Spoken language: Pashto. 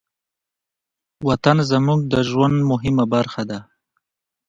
وطن زموږ د ژوند مهمه برخه ده.